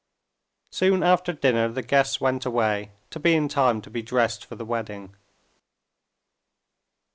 Soon after dinner the guests went away to be in time to be dressed for the wedding.